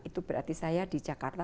itu berarti saya di jakarta